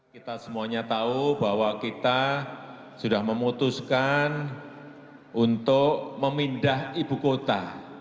kita semuanya tahu bahwa kita sudah memutuskan untuk memindah ibu kota